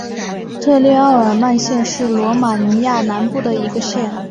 特列奥尔曼县是罗马尼亚南部的一个县。